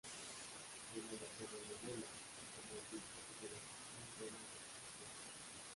Dónde la telenovela así como el disco tuvieron muy buena aceptación.